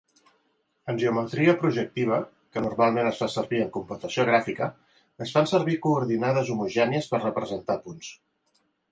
En geometria projectiva, que normalment es fa servir en computació gràfica, es fan servir coordinades homogènies per representar punts.